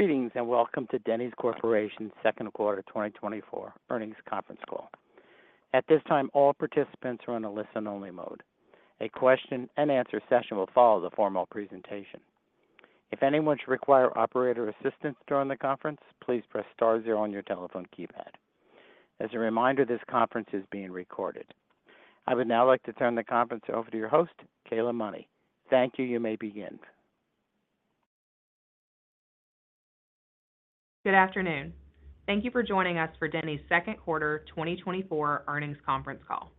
Greetings, and welcome to Denny's Corporation's second quarter 2024 earnings conference call. At this time, all participants are in a listen-only mode. A question and answer session will follow the formal presentation. If anyone should require operator assistance during the conference, please press star zero on your telephone keypad. As a reminder, this conference is being recorded. I would now like to turn the conference over to your host, Kayla Money. Thank you. You may begin. Good afternoon. Thank you for joining us for Denny's second quarter 2024 earnings conference call.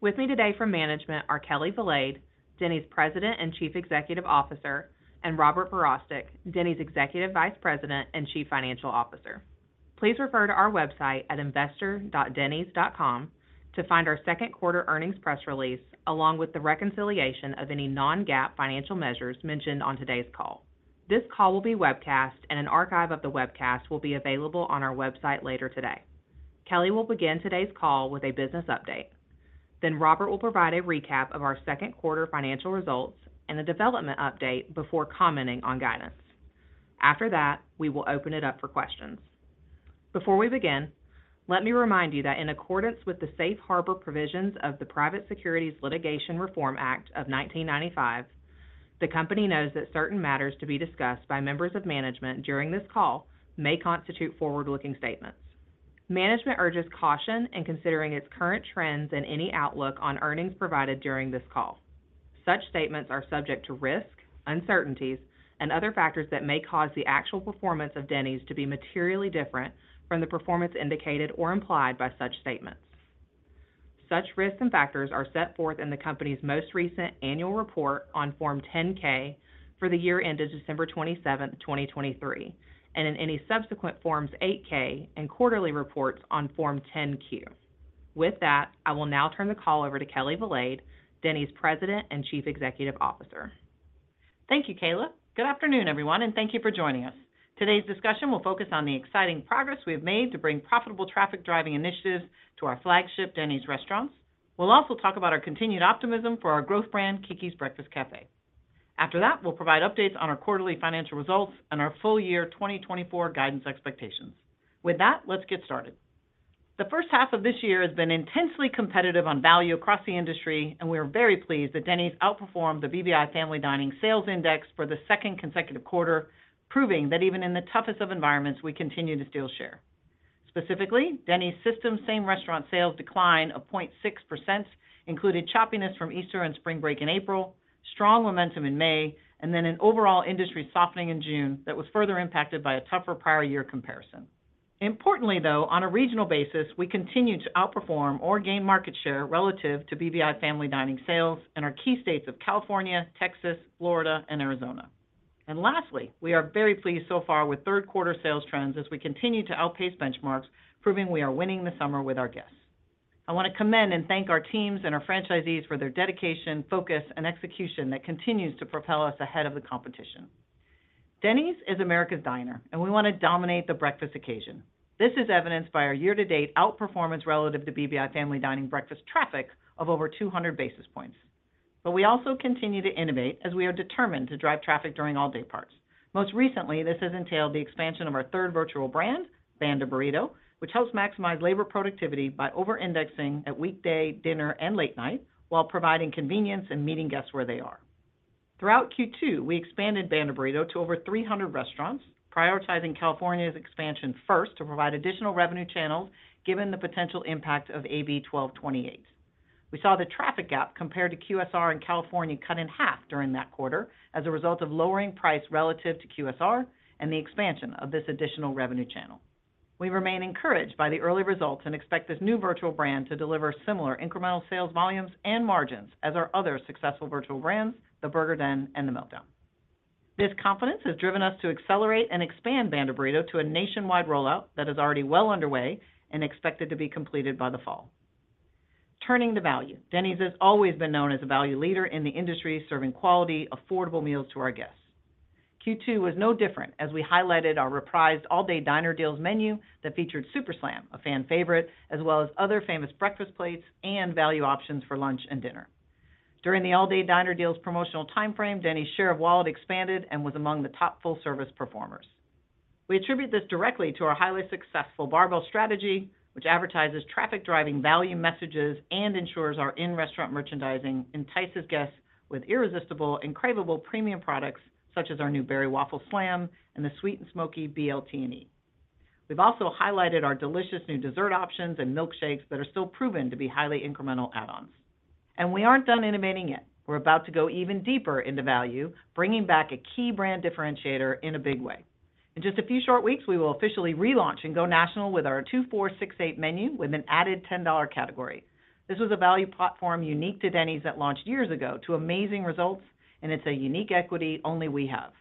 With me today from management are Kelli Valade, Denny's President and Chief Executive Officer, and Robert Verostek, Denny's Executive Vice President and Chief Financial Officer. Please refer to our website at investor.dennys.com to find our second quarter earnings press release, along with the reconciliation of any non-GAAP financial measures mentioned on today's call. This call will be webcast, and an archive of the webcast will be available on our website later today. Kelli will begin today's call with a business update. Then Robert will provide a recap of our second quarter financial results and a development update before commenting on guidance. After that, we will open it up for questions. Before we begin, let me remind you that in accordance with the safe harbor provisions of the Private Securities Litigation Reform Act of 1995, the company knows that certain matters to be discussed by members of management during this call may constitute forward-looking statements. Management urges caution in considering its current trends and any outlook on earnings provided during this call. Such statements are subject to risk, uncertainties, and other factors that may cause the actual performance of Denny's to be materially different from the performance indicated or implied by such statements. Such risks and factors are set forth in the company's most recent annual report on Form 10-K for the year ended December 27, 2023, and in any subsequent Forms 8-K and quarterly reports on Form 10-Q. With that, I will now turn the call over to Kelli Valade, Denny's President and Chief Executive Officer. Thank you, Kayla. Good afternoon, everyone, and thank you for joining us. Today's discussion will focus on the exciting progress we have made to bring profitable traffic-driving initiatives to our flagship Denny's restaurants. We'll also talk about our continued optimism for our growth brand, Keke's Breakfast Cafe. After that, we'll provide updates on our quarterly financial results and our full year 2024 guidance expectations. With that, let's get started. The first half of this year has been intensely competitive on value across the industry, and we are very pleased that Denny's outperformed the BBI Family Dining Sales Index for the second consecutive quarter, proving that even in the toughest of environments, we continue to steal share. Specifically, Denny's system same-restaurant sales decline of 0.6% included choppiness from Easter and spring break in April, strong momentum in May, and then an overall industry softening in June that was further impacted by a tougher prior year comparison. Importantly, though, on a regional basis, we continued to outperform or gain market share relative to BBI family dining sales in our key states of California, Texas, Florida, and Arizona. And lastly, we are very pleased so far with third quarter sales trends as we continue to outpace benchmarks, proving we are winning the summer with our guests. I want to commend and thank our teams and our franchisees for their dedication, focus, and execution that continues to propel us ahead of the competition. Denny's is America's diner, and we want to dominate the breakfast occasion. This is evidenced by our year-to-date outperformance relative to BBI family dining breakfast traffic of over 200 basis points. But we also continue to innovate as we are determined to drive traffic during all day parts. Most recently, this has entailed the expansion of our third virtual brand, Banda Burrito, which helps maximize labor productivity by over-indexing at weekday, dinner, and late night, while providing convenience and meeting guests where they are. Throughout Q2, we expanded Banda Burrito to over 300 restaurants, prioritizing California's expansion first to provide additional revenue channels, given the potential impact of AB 1228. We saw the traffic gap compared to QSR in California cut in half during that quarter as a result of lowering price relative to QSR and the expansion of this additional revenue channel. We remain encouraged by the early results and expect this new virtual brand to deliver similar incremental sales volumes and margins as our other successful virtual brands, The Burger Den and The Meltdown. This confidence has driven us to accelerate and expand Banda Burrito to a nationwide rollout that is already well underway and expected to be completed by the fall. Turning to value, Denny's has always been known as a value leader in the industry, serving quality, affordable meals to our guests. Q2 was no different as we highlighted our reprised All-Day Diner Deals menu that featured Super Slam, a fan favorite, as well as other famous breakfast plates and value options for lunch and dinner. During the All-Day Diner Deals promotional timeframe, Denny's share of wallet expanded and was among the top full-service performers. We attribute this directly to our highly successful barbell strategy, which advertises traffic-driving value messages and ensures our in-restaurant merchandising entices guests with irresistible and craveable premium products, such as our new Berry Waffle Slam and the Sweet & Smoky BLT & E. We've also highlighted our delicious new dessert options and milkshakes that are still proven to be highly incremental add-ons. And we aren't done innovating yet. We're about to go even deeper into value, bringing back a key brand differentiator in a big way. In just a few short weeks, we will officially relaunch and go national with our $2, $4, $6, $8 menu with an added $10 category. This was a value platform unique to Denny's that launched years ago to amazing results, and it's a unique equity only we have.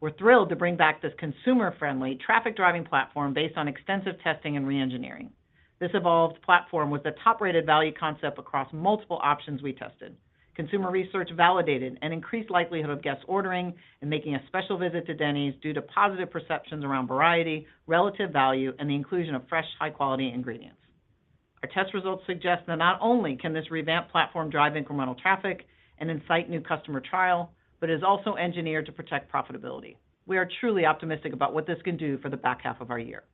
We're thrilled to bring back this consumer-friendly, traffic-driving platform based on extensive testing and reengineering. This evolved platform was the top-rated value concept across multiple options we tested. Consumer research validated an increased likelihood of guests ordering and making a special visit to Denny's due to positive perceptions around variety, relative value, and the inclusion of fresh, high-quality ingredients. Our test results suggest that not only can this revamped platform drive incremental traffic and incite new customer trial, but is also engineered to protect profitability. We are truly optimistic about what this can do for the back half of our year.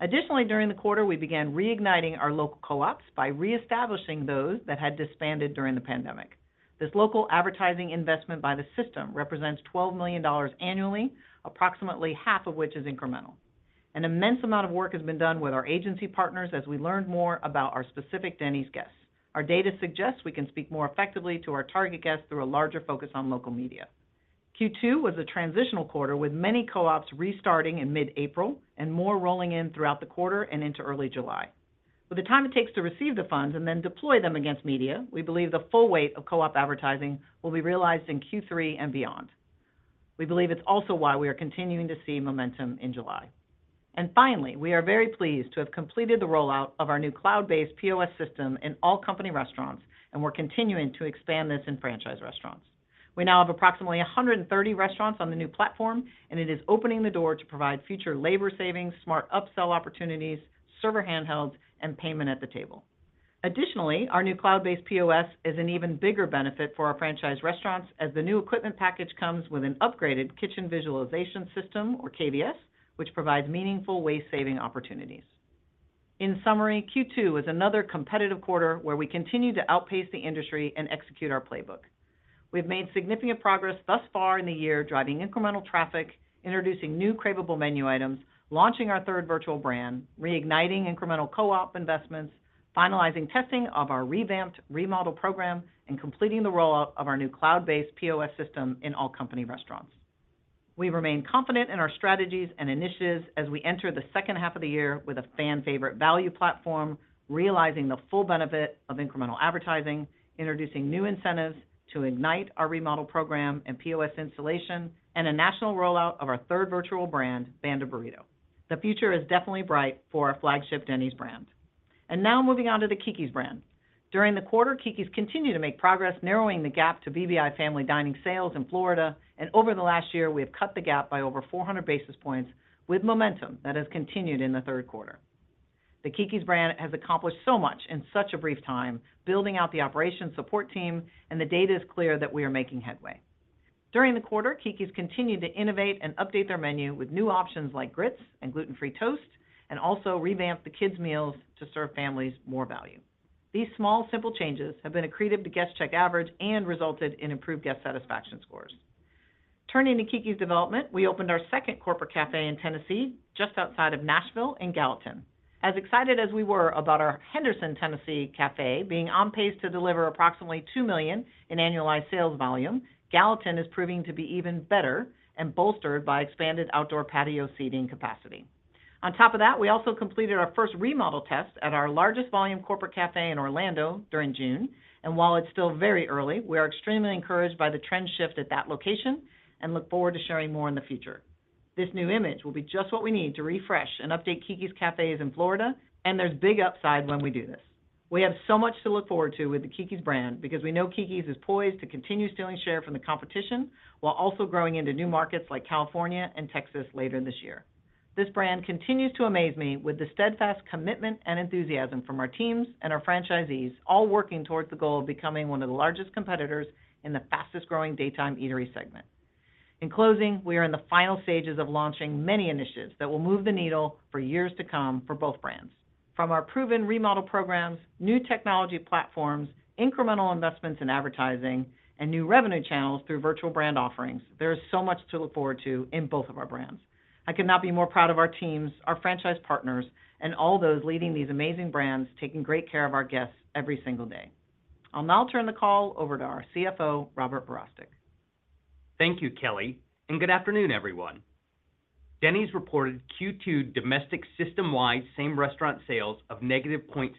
Additionally, during the quarter, we began reigniting our local co-ops by reestablishing those that had disbanded during the pandemic. This local advertising investment by the system represents $12 million annually, approximately half of which is incremental. An immense amount of work has been done with our agency partners as we learned more about our specific Denny's guests. Our data suggests we can speak more effectively to our target guests through a larger focus on local media. Q2 was a transitional quarter, with many co-ops restarting in mid-April and more rolling in throughout the quarter and into early July. With the time it takes to receive the funds and then deploy them against media, we believe the full weight of co-op advertising will be realized in Q3 and beyond. We believe it's also why we are continuing to see momentum in July. Finally, we are very pleased to have completed the rollout of our new cloud-based POS system in all company restaurants, and we're continuing to expand this in franchise restaurants. We now have approximately 130 restaurants on the new platform, and it is opening the door to provide future labor savings, smart upsell opportunities, server handhelds, and payment at the table. Additionally, our new cloud-based POS is an even bigger benefit for our franchise restaurants, as the new equipment package comes with an upgraded kitchen visualization system, or KVS, which provides meaningful waste saving opportunities. In summary, Q2 was another competitive quarter where we continued to outpace the industry and execute our playbook. We've made significant progress thus far in the year, driving incremental traffic, introducing new craveable menu items, launching our third virtual brand, reigniting incremental co-op investments, finalizing testing of our revamped remodel program, and completing the rollout of our new cloud-based POS system in all company restaurants. We remain confident in our strategies and initiatives as we enter the second half of the year with a fan favorite value platform, realizing the full benefit of incremental advertising, introducing new incentives to ignite our remodel program and POS installation, and a national rollout of our third virtual brand, Banda Burrito. The future is definitely bright for our flagship Denny's brand. And now moving on to the Keke's brand. During the quarter, Keke's continued to make progress, narrowing the gap to BBI family dining sales in Florida, and over the last year, we have cut the gap by over 400 basis points with momentum that has continued in the third quarter. The Keke's brand has accomplished so much in such a brief time, building out the operation support team, and the data is clear that we are making headway. During the quarter, Keke's continued to innovate and update their menu with new options like grits and gluten-free toast, and also revamped the kids' meals to serve families more value. These small, simple changes have been accretive to guest check average and resulted in improved guest satisfaction scores. Turning to Keke's development, we opened our second corporate cafe in Tennessee, just outside of Nashville in Gallatin. As excited as we were about our Henderson, Tennessee, cafe being on pace to deliver approximately $2 million in annualized sales volume, Gallatin is proving to be even better and bolstered by expanded outdoor patio seating capacity. On top of that, we also completed our first remodel test at our largest volume corporate cafe in Orlando during June, and while it's still very early, we are extremely encouraged by the trend shift at that location and look forward to sharing more in the future. This new image will be just what we need to refresh and update Keke's cafes in Florida, and there's big upside when we do this. We have so much to look forward to with the Keke's brand because we know Keke's is poised to continue stealing share from the competition, while also growing into new markets like California and Texas later this year. This brand continues to amaze me with the steadfast commitment and enthusiasm from our teams and our franchisees, all working towards the goal of becoming one of the largest competitors in the fastest-growing daytime eatery segment. In closing, we are in the final stages of launching many initiatives that will move the needle for years to come for both brands. From our proven remodel programs, new technology platforms, incremental investments in advertising, and new revenue channels through virtual brand offerings, there is so much to look forward to in both of our brands. I could not be more proud of our teams, our franchise partners, and all those leading these amazing brands, taking great care of our guests every single day. I'll now turn the call over to our CFO, Robert Verostek. Thank you, Kelli, and good afternoon, everyone. Denny's reported Q2 domestic system-wide same restaurant sales of -0.6%.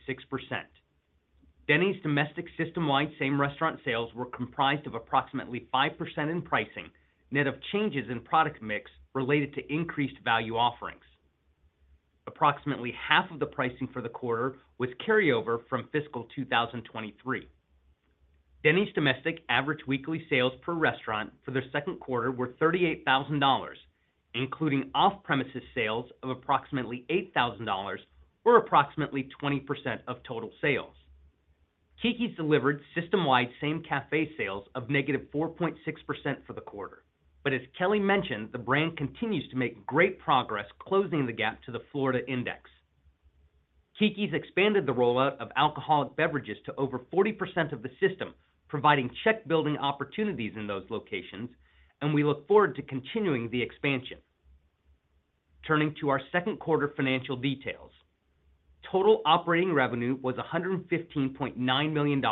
Denny's domestic system-wide same restaurant sales were comprised of approximately 5% in pricing, net of changes in product mix related to increased value offerings. Approximately half of the pricing for the quarter was carryover from fiscal 2023. Denny's domestic average weekly sales per restaurant for the second quarter were $38,000, including off-premises sales of approximately $8,000, or approximately 20% of total sales. Keke's delivered system-wide same cafe sales of -4.6% for the quarter. But as Kelli mentioned, the brand continues to make great progress closing the gap to the Florida index. Keke's expanded the rollout of alcoholic beverages to over 40% of the system, providing check-building opportunities in those locations, and we look forward to continuing the expansion. Turning to our second quarter financial details. Total operating revenue was $115.9 million,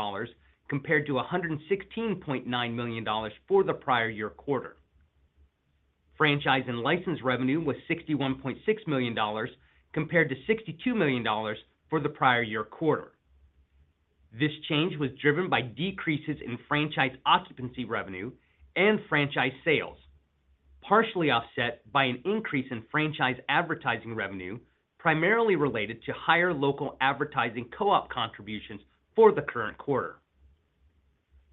compared to $116.9 million for the prior year quarter. Franchise and license revenue was $61.6 million, compared to $62 million for the prior year quarter. This change was driven by decreases in franchise occupancy revenue and franchise sales, partially offset by an increase in franchise advertising revenue, primarily related to higher local advertising co-op contributions for the current quarter.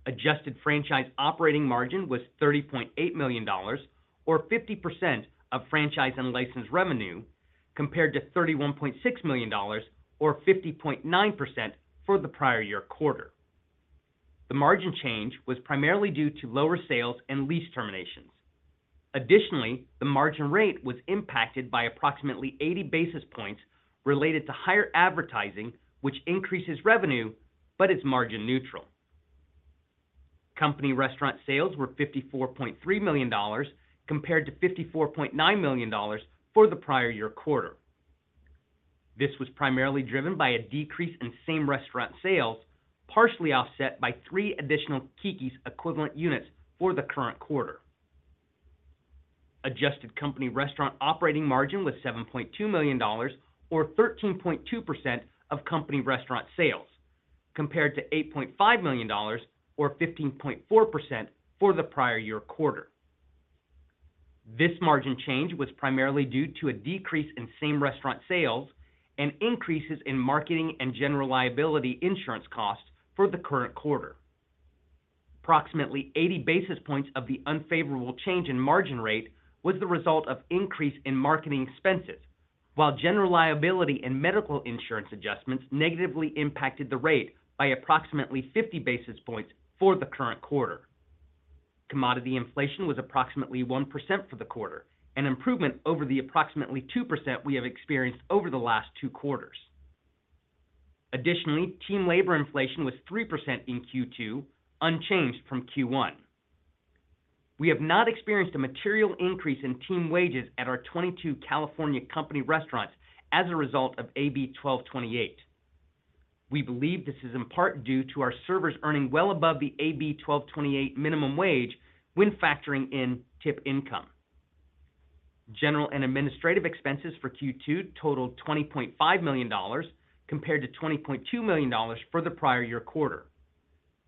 Adjusted franchise operating margin was $30.8 million, or 50% of franchise and license revenue, compared to $31.6 million, or 50.9% for the prior year quarter. The margin change was primarily due to lower sales and lease terminations. Additionally, the margin rate was impacted by approximately 80 basis points related to higher advertising, which increases revenue, but is margin neutral. Company restaurant sales were $54.3 million, compared to $54.9 million for the prior year quarter. This was primarily driven by a decrease in same restaurant sales, partially offset by 3 additional Keke's equivalent units for the current quarter. Adjusted company restaurant operating margin was $7.2 million or 13.2% of company restaurant sales, compared to $8.5 million or 15.4% for the prior year quarter. This margin change was primarily due to a decrease in same restaurant sales and increases in marketing and general liability insurance costs for the current quarter. Approximately 80 basis points of the unfavorable change in margin rate was the result of increase in marketing expenses, while general liability and medical insurance adjustments negatively impacted the rate by approximately 50 basis points for the current quarter. Commodity inflation was approximately 1% for the quarter, an improvement over the approximately 2% we have experienced over the last two quarters. Additionally, team labor inflation was 3% in Q2, unchanged from Q1. We have not experienced a material increase in team wages at our 22 California company restaurants as a result of AB 1228. We believe this is in part due to our servers earning well above the AB 1228 minimum wage when factoring in tip income. General and administrative expenses for Q2 totaled $20.5 million, compared to $20.2 million for the prior year quarter,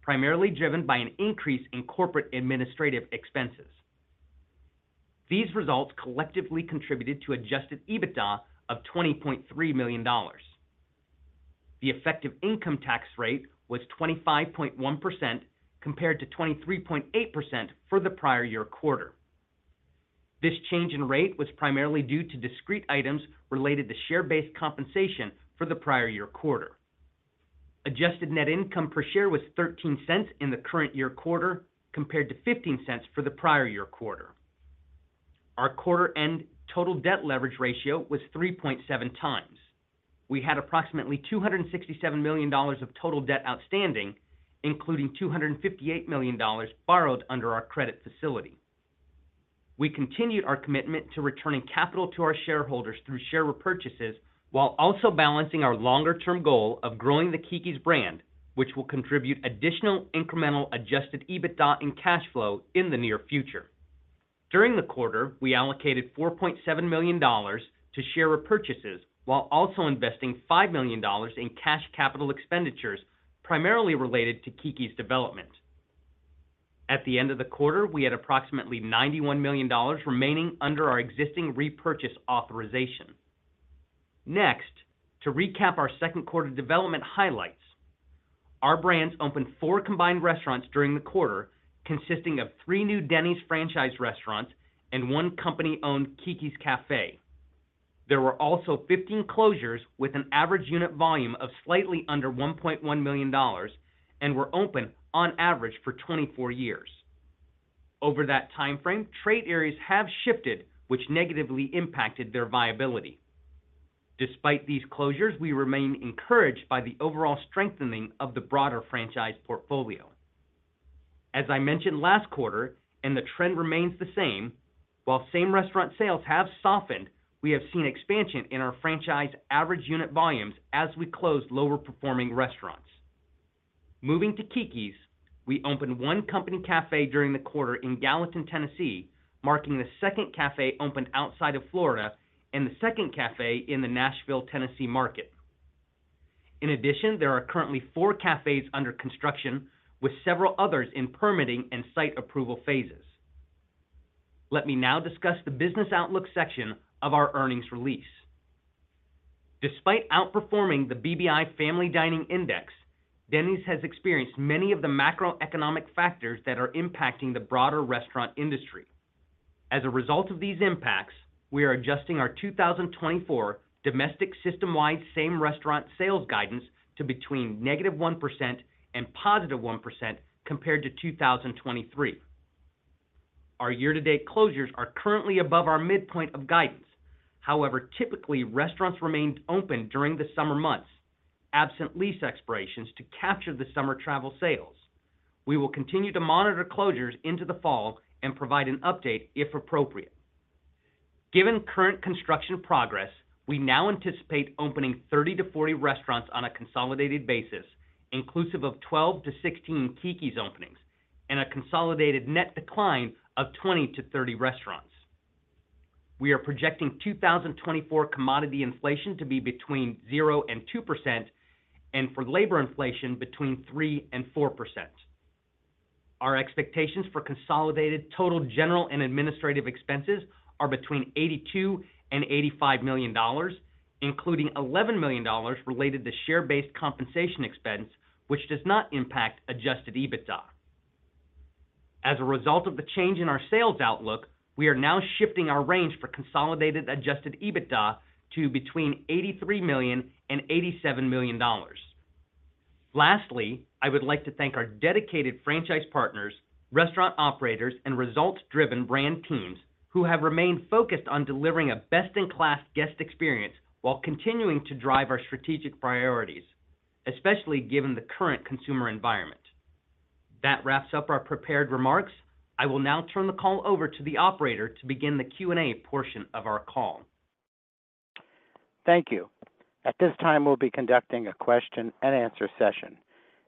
primarily driven by an increase in corporate administrative expenses. These results collectively contributed to adjusted EBITDA of $20.3 million. The effective income tax rate was 25.1%, compared to 23.8% for the prior year quarter. This change in rate was primarily due to discrete items related to share-based compensation for the prior year quarter. Adjusted net income per share was $0.13 in the current year quarter, compared to $0.15 for the prior year quarter. Our quarter end total debt leverage ratio was 3.7x. We had approximately $267 million of total debt outstanding, including $258 million borrowed under our credit facility. We continued our commitment to returning capital to our shareholders through share repurchases, while also balancing our longer-term goal of growing the Keke's brand, which will contribute additional incremental adjusted EBITDA and cash flow in the near future. During the quarter, we allocated $4.7 million to share repurchases, while also investing $5 million in cash capital expenditures, primarily related to Keke's development. At the end of the quarter, we had approximately $91 million remaining under our existing repurchase authorization. Next, to recap our second quarter development highlights. Our brands opened four combined restaurants during the quarter, consisting of three new Denny's franchise restaurants and one company-owned Keke's Cafe. There were also 15 closures with an average unit volume of slightly under $1.1 million and were open on average for 24 years. Over that timeframe, trade areas have shifted, which negatively impacted their viability. Despite these closures, we remain encouraged by the overall strengthening of the broader franchise portfolio. As I mentioned last quarter, and the trend remains the same, while same-restaurant sales have softened, we have seen expansion in our franchise average unit volumes as we close lower-performing restaurants. Moving to Keke's, we opened one company cafe during the quarter in Gallatin, Tennessee, marking the second cafe opened outside of Florida and the second cafe in the Nashville, Tennessee, market. In addition, there are currently four cafes under construction, with several others in permitting and site approval phases. Let me now discuss the business outlook section of our earnings release. Despite outperforming the BBI Family Dining Index, Denny's has experienced many of the macroeconomic factors that are impacting the broader restaurant industry. As a result of these impacts, we are adjusting our 2024 domestic system-wide same restaurant sales guidance to between -1% and +1% compared to 2023. Our year-to-date closures are currently above our midpoint of guidance. However, typically, restaurants remain open during the summer months, absent lease expirations, to capture the summer travel sales. We will continue to monitor closures into the fall and provide an update, if appropriate. Given current construction progress, we now anticipate opening 30-40 restaurants on a consolidated basis, inclusive of 12-16 Keke's openings and a consolidated net decline of 20-30 restaurants. We are projecting 2024 commodity inflation to be between 0%-2%, and for labor inflation, between 3%-4%. Our expectations for consolidated total general and administrative expenses are between $82 million and $85 million, including $11 million related to share-based compensation expense, which does not impact adjusted EBITDA. As a result of the change in our sales outlook, we are now shifting our range for consolidated adjusted EBITDA to between $83 million and $87 million. Lastly, I would like to thank our dedicated franchise partners, restaurant operators, and results-driven brand teams, who have remained focused on delivering a best-in-class guest experience while continuing to drive our strategic priorities, especially given the current consumer environment. That wraps up our prepared remarks. I will now turn the call over to the operator to begin the Q&A portion of our call. Thank you. At this time, we'll be conducting a question-and-answer session.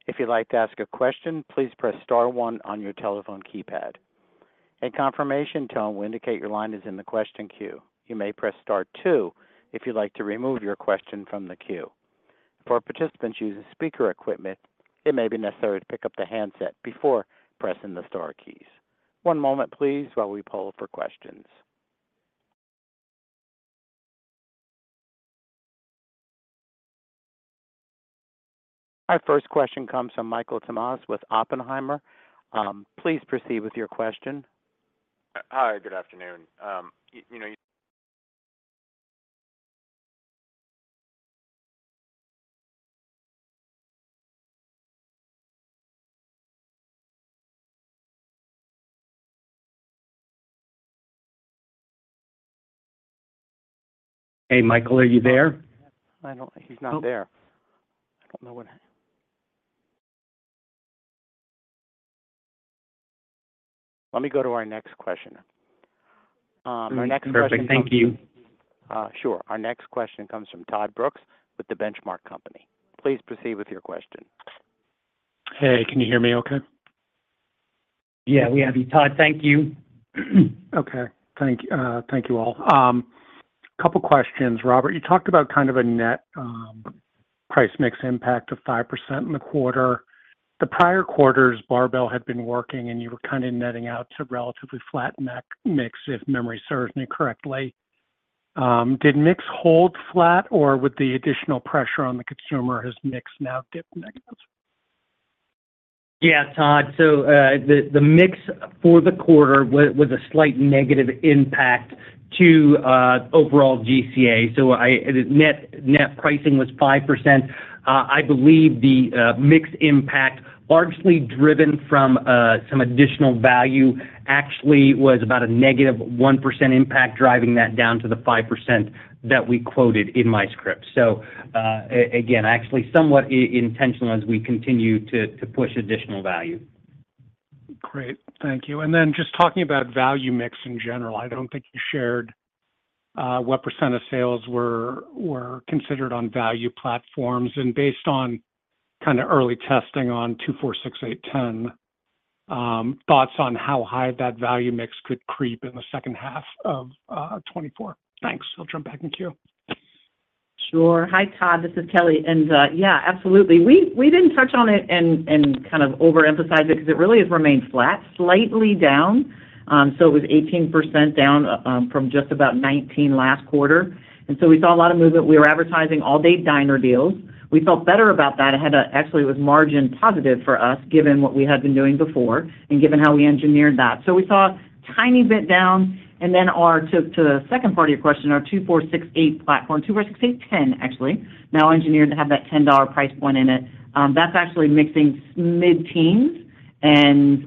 If you'd like to ask a question, please press star one on your telephone keypad. A confirmation tone will indicate your line is in the question queue. You may press star two if you'd like to remove your question from the queue. For participants using speaker equipment, it may be necessary to pick up the handset before pressing the star keys. One moment please, while we poll for questions. Our first question comes from Michael Tamas with Oppenheimer. Please proceed with your question. Hi, good afternoon. You know- Hey, Michael, are you there? I don't... He's not there. I don't know what... Let me go to our next question. Our next question- Perfect. Thank you. Sure. Our next question comes from Todd Brooks with The Benchmark Company. Please proceed with your question. Hey, can you hear me okay? Yeah, we have you, Todd. Thank you. Okay. Thank you all. Couple questions. Robert, you talked about kind of a net price mix impact of 5% in the quarter. The prior quarters, barbell had been working, and you were kind of netting out to relatively flat net mix, if memory serves me correctly. Did mix hold flat, or with the additional pressure on the consumer, has mix now dipped negative? Yeah, Todd. So, the mix for the quarter was a slight negative impact to overall GCA. So, net pricing was 5%. I believe the mix impact, largely driven from some additional value, actually was about a -1% impact, driving that down to the 5% that we quoted in my script. So, again, actually somewhat intentional as we continue to push additional value. Great. Thank you. And then just talking about value mix in general, I don't think you shared, what percent of sales were, were considered on value platforms, and based on kind of early testing on $2, $4, $6, $8, $10, thoughts on how high that value mix could creep in the second half of 2024. Thanks. I'll jump back in queue. Sure. Hi, Todd. This is Kelly. And, yeah, absolutely. We didn't touch on it and kind of overemphasize it because it really has remained flat, slightly down. So it was 18% down from just about 19% last quarter. And so we saw a lot of movement. We were advertising All-Day Diner Deals. We felt better about that. It had a, actually, it was margin positive for us, given what we had been doing before and given how we engineered that. So we saw a tiny bit down, and then our. To the second part of your question, our $2, $4, $6, $8 platform, $2, $4, $6, $8, $10, actually, now engineered to have that $10 price point in it. That's actually mixing mid-teens, and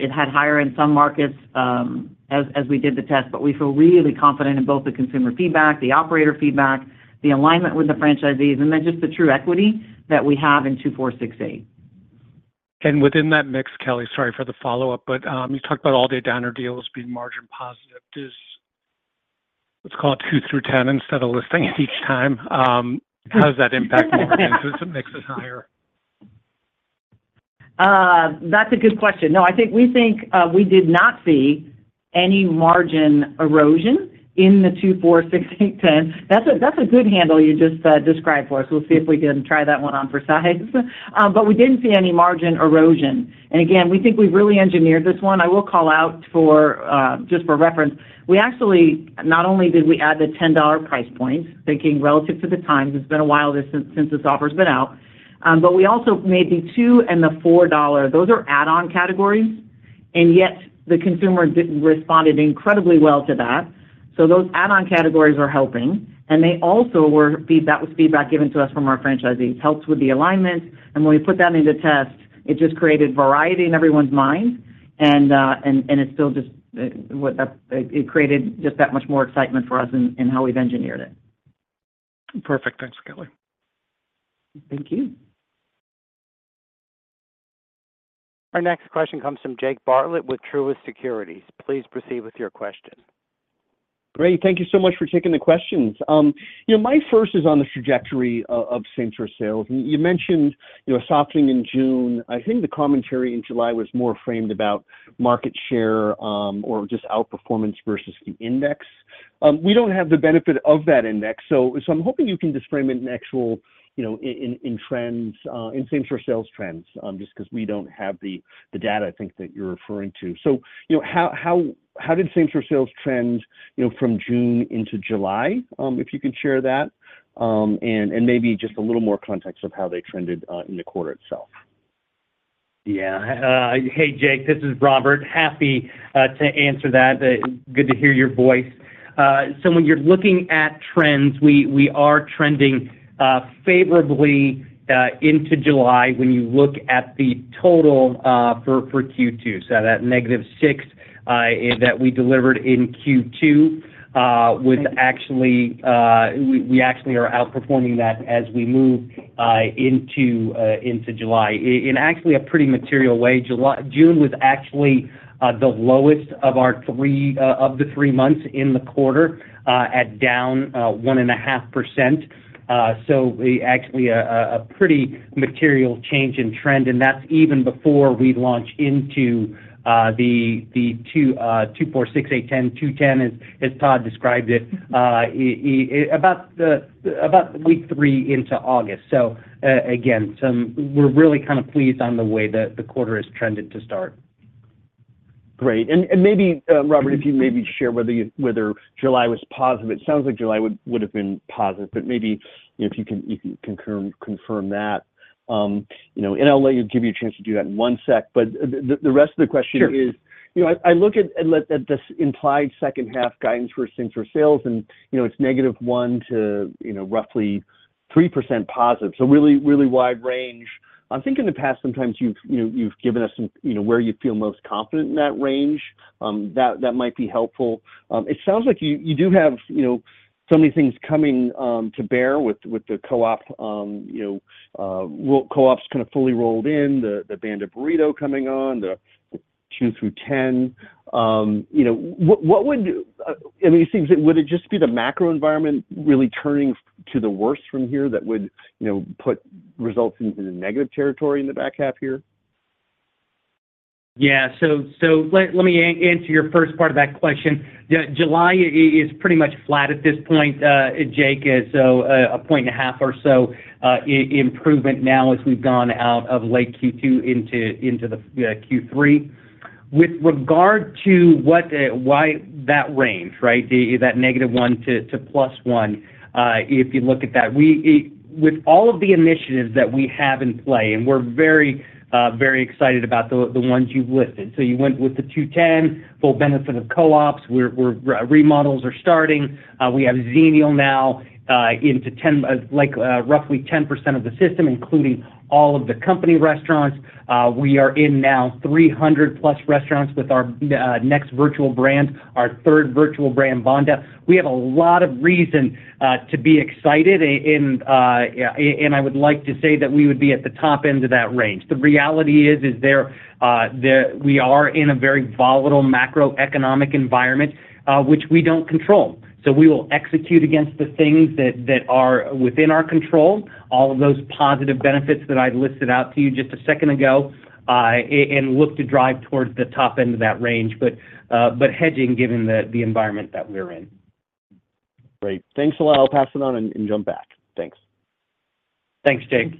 it had higher in some markets, as we did the test. But we feel really confident in both the consumer feedback, the operator feedback, the alignment with the franchisees, and then just the true equity that we have in $2, $4, $6, $8. Within that mix, Kelly, sorry for the follow-up, but you talked about All-Day Diner Deals being margin positive. Let's call it $2 through $10 instead of listing it each time. How does that impact margin? Does it mix it higher? That's a good question. No, I think we think we did not see any margin erosion in the $2, $4, $6, $8, $10. That's a good handle you just described for us. We'll see if we can try that one on for size. But we didn't see any margin erosion. And again, we think we've really engineered this one. I will call out, just for reference, we actually not only did we add the $10 price point, thinking relative to the times, it's been a while since this offer's been out, but we also made the $2 and the $4 dollar. Those are add-on categories, and yet the consumer did respond incredibly well to that. So those add-on categories are helping, and they also were feedback given to us from our franchisees. Helps with the alignment, and when we put that into test, it just created variety in everyone's mind, and it's still just. It created just that much more excitement for us in how we've engineered it. Perfect. Thanks, Kelli. Thank you. Our next question comes from Jake Bartlett with Truist Securities. Please proceed with your question. Great. Thank you so much for taking the questions. You know, my first is on the trajectory of same-store sales. You mentioned, you know, softening in June. I think the commentary in July was more framed about market share, or just outperformance versus the index. We don't have the benefit of that index. So I'm hoping you can just frame it in actual, you know, in trends in same-store sales trends, just 'cause we don't have the data, I think, that you're referring to. So, you know, how did same-store sales trend, you know, from June into July? If you can share that, and maybe just a little more context of how they trended in the quarter itself. Yeah. Hey, Jake, this is Robert. Happy to answer that, good to hear your voice. So when you're looking at trends, we are trending favorably into July when you look at the total for Q2. So that -6% that we delivered in Q2 was actually—we actually are outperforming that as we move into July in actually a pretty material way. July—June was actually the lowest of our three months in the quarter at down 1.5%. So actually, a pretty material change in trend, and that's even before we launch into the $2, $4, $6, $8, $10, $2-$10, as Todd described it, about week 3 into August. So, again, we're really kind of pleased with the way the quarter has trended to start. Great. And maybe, Robert, if you maybe share whether July was positive. It sounds like July would have been positive, but maybe if you can confirm that, you know, and I'll let you give you a chance to do that in one sec. But the rest of the question- Sure. This, you know, I look at this implied second half guidance for same store sales, and, you know, it's -1% to, you know, roughly 3%+, so really, really wide range. I think in the past, sometimes you've, you know, you've given us some, you know, where you feel most confident in that range. That might be helpful. It sounds like you do have, you know, so many things coming to bear with the co-op, you know, well, co-ops kind of fully rolled in, the Banda Burrito coming on, the $2 through $10. You know, what would. I mean, it seems, would it just be the macro environment really turning for the worse from here that would, you know, put results into the negative territory in the back half here? Yeah. So let me answer your first part of that question. Yeah, July is pretty much flat at this point, Jake, so 1.5 points or so improvement now as we've gone out of late Q2 into the Q3. With regard to why that range, right? That -1 to +1, if you look at that. With all of the initiatives that we have in play, and we're very excited about the ones you've listed. So you went with the $2-$10, full benefit of co-ops, we're remodels are starting. We have Xenial now into 10, like, roughly 10% of the system, including all of the company restaurants. We are in now 300+ restaurants with our next virtual brand, our third virtual brand, Banda. We have a lot of reason to be excited, and I would like to say that we would be at the top end of that range. The reality is, we are in a very volatile macroeconomic environment, which we don't control. So we will execute against the things that are within our control, all of those positive benefits that I listed out to you just a second ago, and look to drive towards the top end of that range, but hedging, given the environment that we're in. Great. Thanks a lot. I'll pass it on and jump back. Thanks. Thanks, Jake.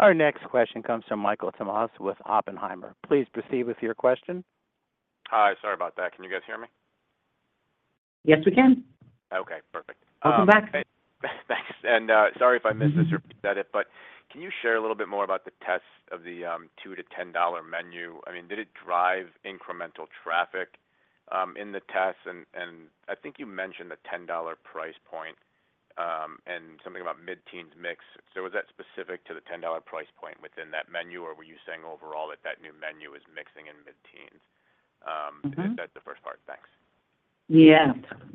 Our next question comes from Michael Tamas with Oppenheimer. Please proceed with your question. Hi. Sorry about that. Can you guys hear me? Yes, we can. Okay, perfect. Welcome back. Thanks. And, sorry if I missed this or repeated it, but can you share a little bit more about the tests of the $2-$10 menu? I mean, did it drive incremental traffic in the tests? And I think you mentioned the $10 price point, and something about mid-teens mix. So was that specific to the $10 price point within that menu, or were you saying overall that that new menu is mixing in mid-teens. If that's the first part. Thanks. Yeah.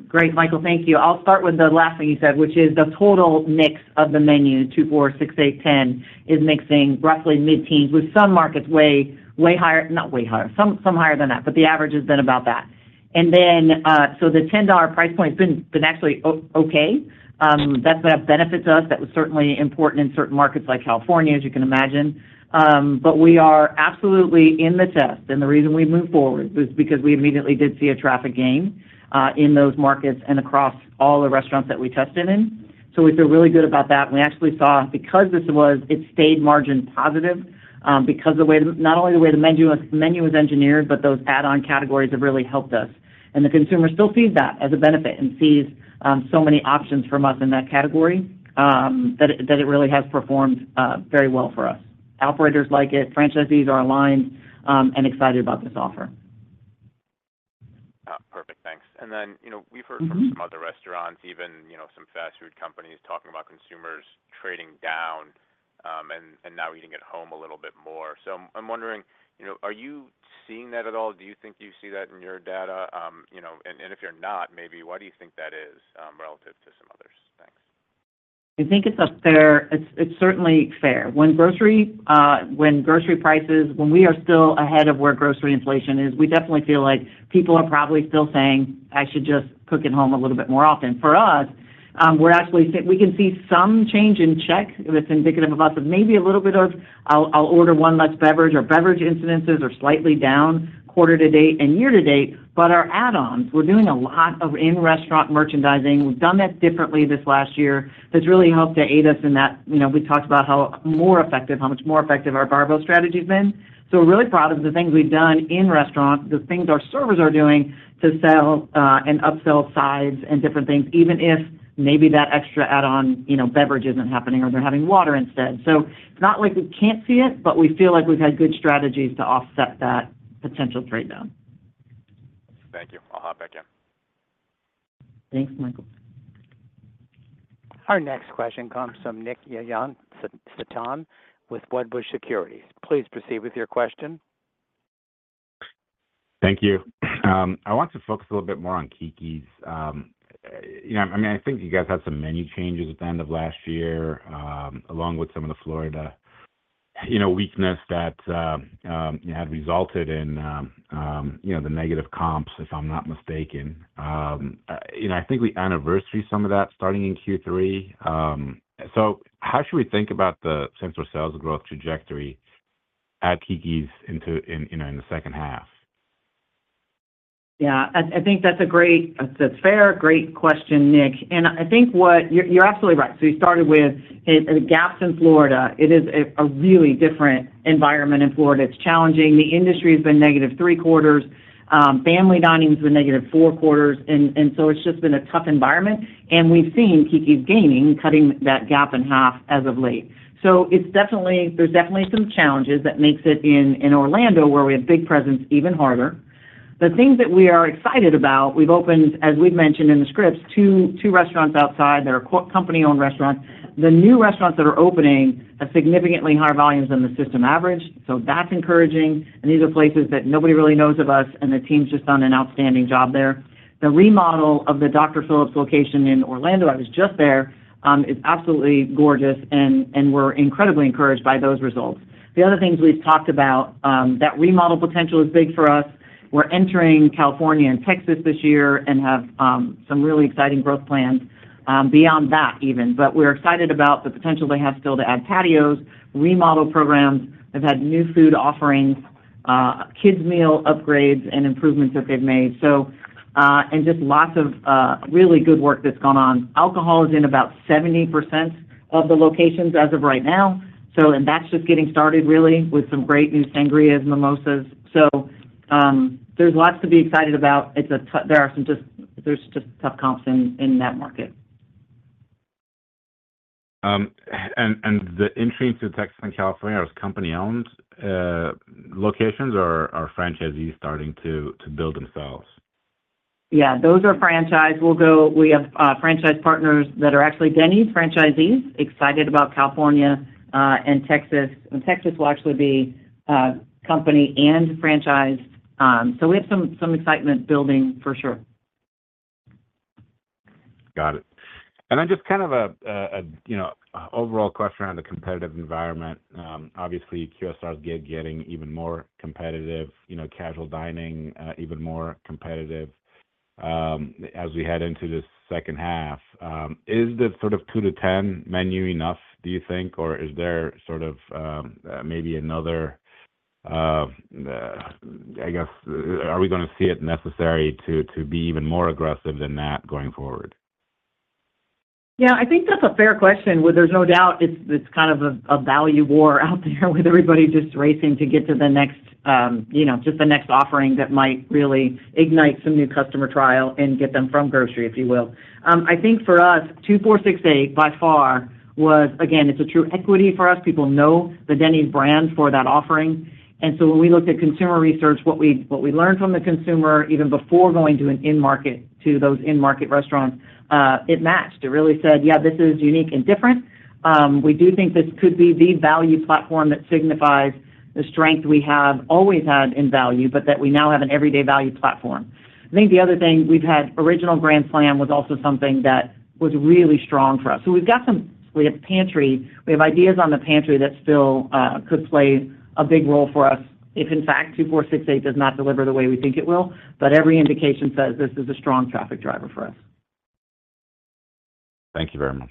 Great, Michael. Thank you. I'll start with the last thing you said, which is the total mix of the menu, $2, $4, $6, $8, $10, is mixing roughly mid-teens, with some markets way, way higher, not way higher, some, some higher than that, but the average has been about that. So the $10 price point has been actually okay. That benefits us. That was certainly important in certain markets like California, as you can imagine. But we are absolutely in the test, and the reason we moved forward was because we immediately did see a traffic gain in those markets and across all the restaurants that we tested in. So we feel really good about that, and we actually saw, because this was, it stayed margin positive, because the way the not only the way the menu was engineered, but those add-on categories have really helped us. And the consumer still sees that as a benefit and sees so many options from us in that category, that it really has performed very well for us. Operators like it, franchisees are aligned, and excited about this offer. Perfect. Thanks. And then, you know, we've heard from some other restaurants, even, you know, some fast food companies talking about consumers trading down, and now eating at home a little bit more. So I'm wondering, you know, are you seeing that at all? Do you think you see that in your data? You know, and if you're not, maybe why do you think that is, relative to some others? Thanks. I think it's fair. It's certainly fair. When grocery prices, when we are still ahead of where grocery inflation is, we definitely feel like people are probably still saying, "I should just cook at home a little bit more often." For us, we can see some change in check that's indicative of us, of maybe a little bit of I'll order one less beverage or beverage incidences are slightly down quarter-to-date and year-to-date. But our add-ons, we're doing a lot of in-restaurant merchandising. We've done that differently this last year. That's really helped to aid us in that. You know, we talked about how much more effective our barbell strategy has been. So we're really proud of the things we've done in restaurant, the things our servers are doing to sell and upsell sides and different things, even if maybe that extra add-on, you know, beverage isn't happening or they're having water instead. So it's not like we can't see it, but we feel like we've had good strategies to offset that potential trade down. Thank you. I'll hop back in. Thanks, Michael. Our next question comes from Nick Setyan with Wedbush Securities. Please proceed with your question. Thank you. I want to focus a little bit more on Keke's. You know, I mean, I think you guys had some menu changes at the end of last year, along with some of the Florida, you know, weakness that had resulted in, you know, the negative comps, if I'm not mistaken. You know, I think we anniversary some of that starting in Q3. So how should we think about the same store sales growth trajectory at Keke's in the second half? Yeah, I think that's a great—that's a fair, great question, Nick. And I think what—you're absolutely right. So you started with a gap in Florida. It is a really different environment in Florida. It's challenging. The industry has been negative three quarters. Family dining has been negative four quarters, and so it's just been a tough environment, and we've seen Keke's gaining, cutting that gap in half as of late. So it's definitely—there's definitely some challenges that makes it in Orlando, where we have big presence, even harder. The things that we are excited about, we've opened, as we've mentioned in the scripts, two restaurants outside that are company-owned restaurants. The new restaurants that are opening have significantly higher volumes than the system average, so that's encouraging. And these are places that nobody really knows of us, and the team's just done an outstanding job there. The remodel of the Dr. Phillips location in Orlando, I was just there, is absolutely gorgeous, and, and we're incredibly encouraged by those results. The other things we've talked about, that remodel potential is big for us. We're entering California and Texas this year and have some really exciting growth plans beyond that even. But we're excited about the potential they have still to add patios, remodel programs. They've had new food offerings, kids meal upgrades and improvements that they've made. So, and just lots of really good work that's gone on. Alcohol is in about 70% of the locations as of right now, so and that's just getting started really with some great new sangrias, mimosas. So, there's lots to be excited about. There's just tough comps in that market. And the entries to Texas and California are company-owned locations, or are franchisees starting to build themselves? Yeah, those are franchise. We have franchise partners that are actually Denny's franchisees, excited about California and Texas. And Texas will actually be company and franchise. So we have some excitement building for sure. Got it. Then just kind of a you know overall question around the competitive environment. Obviously, QSRs getting even more competitive, you know, casual dining even more competitive as we head into this second half. Is the sort of $2-$10 menu enough, do you think? Or is there sort of maybe another I guess are we gonna see it necessary to be even more aggressive than that going forward? Yeah, I think that's a fair question. Well, there's no doubt it's kind of a value war out there with everybody just racing to get to the next, you know, just the next offering that might really ignite some new customer trial and get them from grocery, if you will. I think for us, $2, $4, $6, $8, by far, was, again, it's a true equity for us. People know the Denny's brand for that offering. And so when we looked at consumer research, what we learned from the consumer, even before going to an in-market, to those in-market restaurants, it matched. It really said, "Yeah, this is unique and different." We do think this could be the value platform that signifies the strength we have always had in value, but that we now have an everyday value platform. I think the other thing we've had, Original Grand Slam, was also something that was really strong for us. So we've got some—we have pancakes, we have ideas on the pancakes that still could play a big role for us if, in fact, $2, $4, $6, $8 does not deliver the way we think it will. But every indication says this is a strong traffic driver for us. Thank you very much.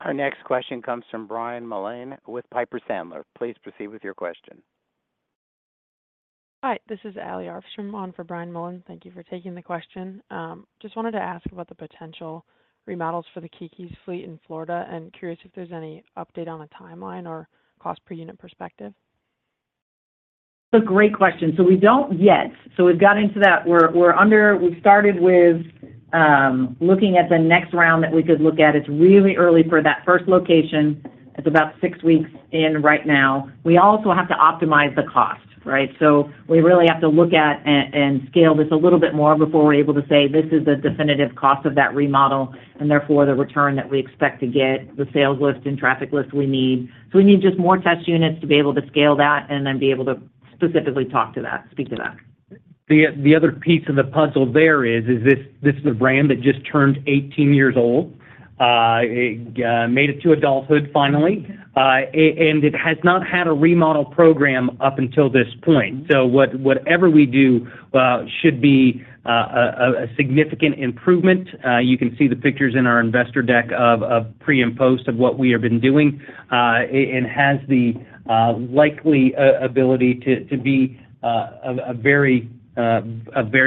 Our next question comes from Brian Mullan with Piper Sandler. Please proceed with your question. Hi, this is Allie Arfstrom on for Brian Mullan. Thank you for taking the question. Just wanted to ask about the potential remodels for the Keke's fleet in Florida, and curious if there's any update on the timeline or cost per unit perspective? It's a great question. So we don't yet. So we've got into that. We're underway. We started with looking at the next round that we could look at. It's really early for that first location. It's about six weeks in right now. We also have to optimize the cost, right? So we really have to look at and scale this a little bit more before we're able to say, this is a definitive cost of that remodel, and therefore, the return that we expect to get, the sales lift and traffic lift we need. So we need just more test units to be able to scale that and then be able to specifically talk to that, speak to that. The other piece of the puzzle there is this. This is a brand that just turned 18 years old. It made it to adulthood finally, and it has not had a remodel program up until this point. So whatever we do should be a significant improvement. You can see the pictures in our Investor Deck of pre- and post of what we have been doing. It has the likely ability to be a very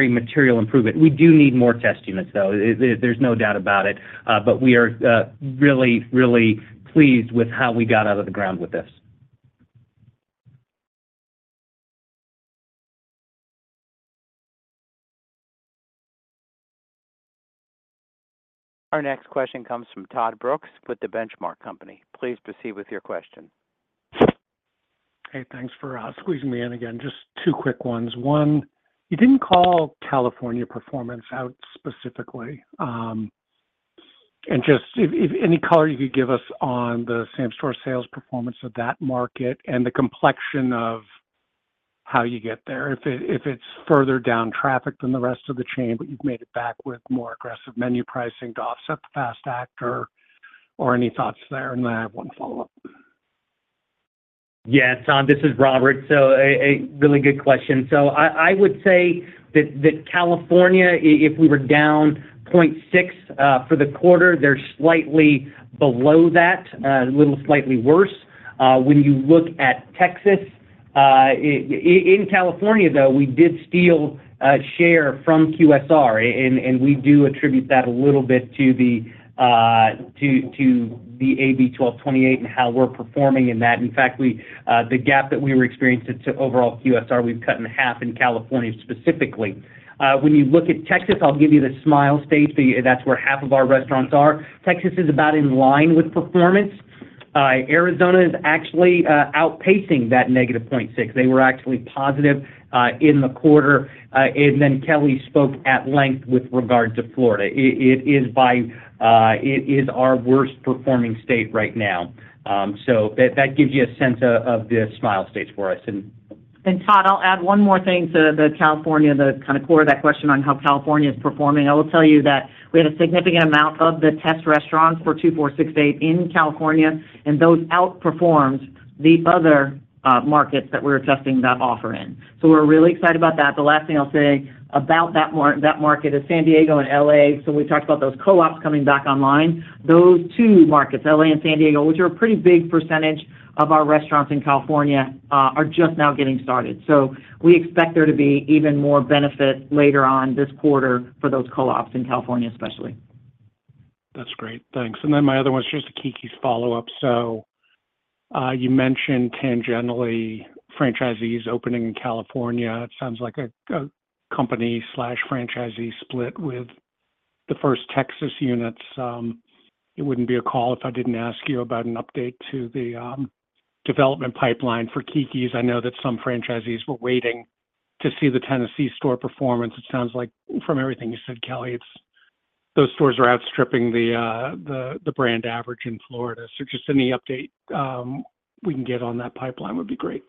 material improvement. We do need more test units, though. There's no doubt about it. But we are really, really pleased with how we got out of the ground with this. Our next question comes from Todd Brooks with The Benchmark Company. Please proceed with your question. Hey, thanks for squeezing me in again. Just two quick ones. One, you didn't call California performance out specifically, and just if any color you could give us on the same-store sales performance of that market and the complexion of how you get there, if it's further down traffic than the rest of the chain, but you've made it back with more aggressive menu pricing to offset the FAST Act or any thoughts there? And then I have one follow-up. Yeah, Todd, this is Robert. A really good question. I would say that California, if we were down 0.6% for the quarter, they're slightly below that, a little slightly worse. When you look at Texas, in California, though, we did steal share from QSR, and we do attribute that a little bit to the AB 1228 and how we're performing in that. In fact, the gap that we were experiencing to overall QSR, we've cut in half in California, specifically. When you look at Texas, I'll give you the Sunbelt States. That's where half of our restaurants are. Texas is about in line with performance. Arizona is actually outpacing that negative 0.6%. They were actually positive in the quarter. And then Kelly spoke at length with regard to Florida. It, it is by, it is our worst-performing state right now. So that, that gives you a sense of, of the Smile States for us, and- Todd, I'll add one more thing to the California, the kind of core of that question on how California is performing. I will tell you that we had a significant amount of the test restaurants for $2, $4, $6, $8 in California, and those outperformed the other markets that we're testing that offer in. So we're really excited about that. The last thing I'll say about that market is San Diego and LA. So we talked about those co-ops coming back online. Those two markets, LA and San Diego, which are a pretty big percentage of our restaurants in California, are just now getting started. So we expect there to be even more benefit later on this quarter for those co-ops in California, especially. That's great. Thanks. And then my other one is just a Keke's follow-up. So, you mentioned tangentially franchisees opening in California. It sounds like a company/franchisee split with the first Texas units. It wouldn't be a call if I didn't ask you about an update to the development pipeline for Keke's. I know that some franchisees were waiting to see the Tennessee store performance. It sounds like from everything you said, Kelli, it's those stores are outstripping the brand average in Florida. So just any update we can get on that pipeline would be great.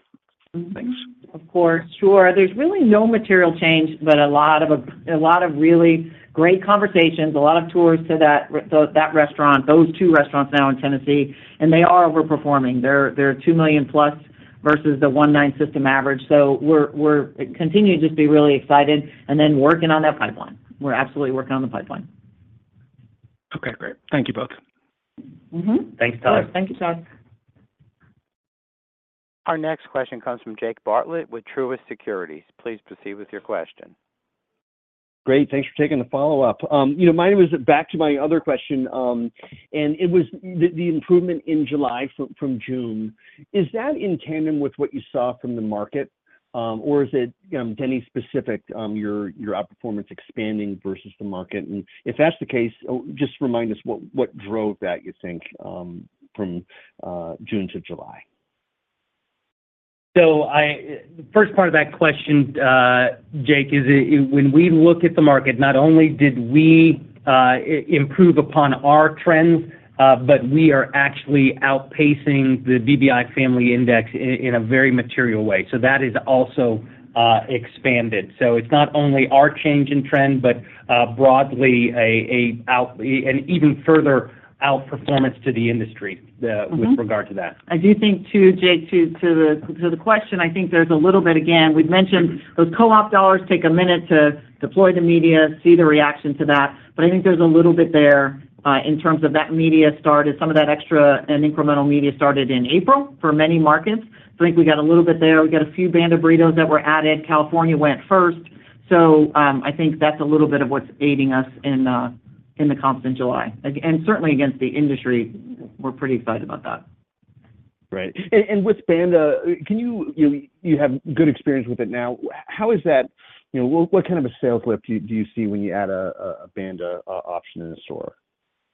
Thanks. Of course. Sure. There's really no material change, but a lot of really great conversations, a lot of tours to that restaurant, those two restaurants now in Tennessee, and they are overperforming. They're $2 million+ versus the $1.9 million system average. So we're continuing to just be really excited and then working on that pipeline. We're absolutely working on the pipeline. Okay, great. Thank you both. Thanks, Todd. Thank you, Todd. Our next question comes from Jake Bartlett with Truist Securities. Please proceed with your question. Great. Thanks for taking the follow-up. You know, mine was back to my other question, and it was the improvement in July from June. Is that in tandem with what you saw from the market, or is it to any specific your outperformance expanding versus the market? And if that's the case, just remind us what drove that, you think, from June to July? So I first part of that question, Jake, is when we look at the market, not only did we improve upon our trends, but we are actually outpacing the BBI Family Index in a very material way. So that is also expanded. So it's not only our change in trend, but broadly, an even further outperformance to the industry, the with regard to that. I do think, too, Jake, to the question, I think there's a little bit, again, we've mentioned those co-op dollars take a minute to deploy the media, see the reaction to that, but I think there's a little bit there in terms of that media start, as some of that extra and incremental media started in April for many markets. I think we got a little bit there. We got a few Banda Burritos that were added. California went first, so I think that's a little bit of what's aiding us in the comps in July. And certainly against the industry, we're pretty excited about that. Great. And with Banda, you have good experience with it now. How is that? You know, what kind of a sales lift do you see when you add a Banda option in a store?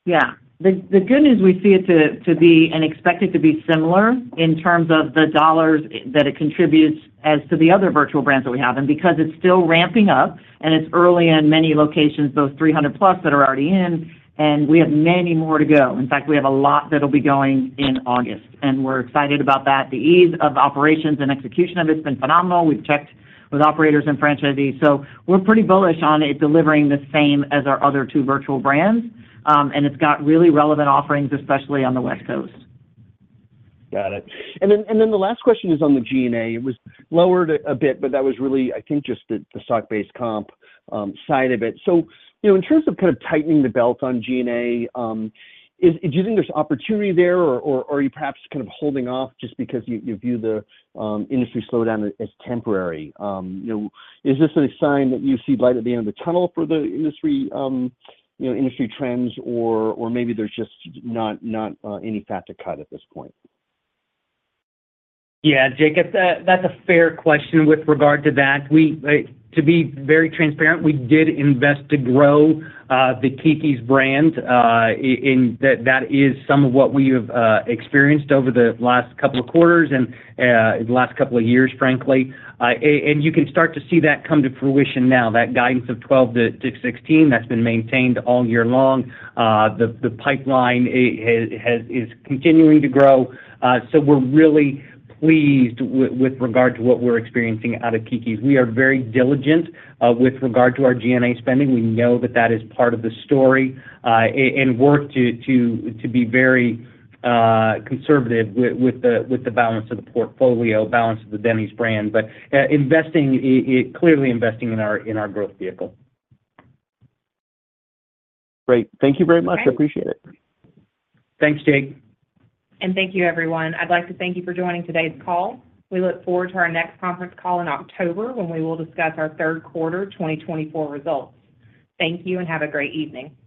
Yeah. The good news we see it to be, and expect it to be similar in terms of the dollars that it contributes as to the other virtual brands that we have. And because it's still ramping up, and it's early in many locations, those 300+ that are already in, and we have many more to go. In fact, we have a lot that will be going in August, and we're excited about that. The ease of operations and execution of it has been phenomenal. We've checked with operators and franchisees, so we're pretty bullish on it delivering the same as our other two virtual brands, and it's got really relevant offerings, especially on the West Coast. Got it. And then the last question is on the G&A. It was lowered a bit, but that was really, I think, just the stock-based comp side of it. So, you know, in terms of kind of tightening the belt on G&A, is do you think there's opportunity there, or are you perhaps kind of holding off just because you view the industry slowdown as temporary? You know, is this a sign that you see light at the end of the tunnel for the industry, you know, industry trends, or maybe there's just not any fat to cut at this point? Yeah, Jake, that's a fair question with regard to that. We, like, to be very transparent, we did invest to grow the Keke's brand, and that is some of what we have experienced over the last couple of quarters and the last couple of years, frankly. And you can start to see that come to fruition now, that guidance of 12-16, that's been maintained all year long. The pipeline is continuing to grow, so we're really pleased with regard to what we're experiencing out of Keke's. We are very diligent with regard to our G&A spending. We know that that is part of the story, and work to be very conservative with the balance of the portfolio, balance of the Denny's brand. But, investing clearly investing in our growth vehicle. Great. Thank you very much. Okay. I appreciate it. Thanks, Jake. Thank you, everyone. I'd like to thank you for joining today's call. We look forward to our next conference call in October, when we will discuss our third quarter 2024 results. Thank you, and have a great evening.